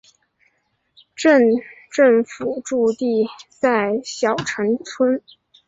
镇政府驻地在筱埕村。